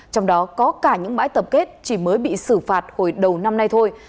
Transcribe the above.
trong đó có cả những bãi tập kết chỉ mới bị xử phạt hồi đầu năm nay thôi